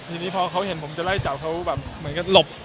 ทีนี้พอเขาเห็นผมจะไล่จับเขาแบบเหมือนกับหลบ